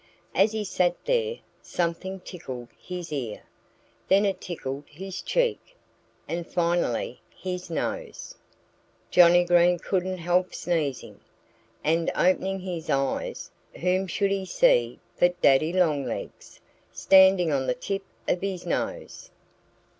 As he sat there, something tickled his ear. Then it tickled his cheek and finally his nose. Johnnie Green couldn't help sneezing. And opening his eyes, whom should he see but Daddy Longlegs, standing on the tip of his nose.